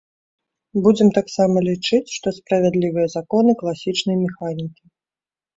Будзем таксама лічыць, што справядлівыя законы класічнай механікі.